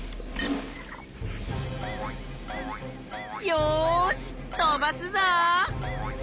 よし飛ばすぞ！